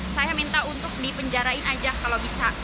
saya minta untuk dipenjarain aja kalau bisa